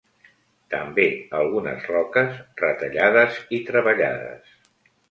També algunes roques retallades i treballades.